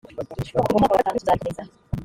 ko kuva mu mwaka wa gatanu tuzabikomeza